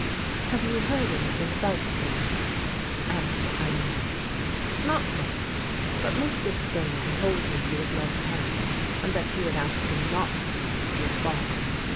^ Have you heard anything about me? '* asked Elea nor. '' Not much, but Mr. Spurling told me you had left home, and that you had asked him not to write to your father.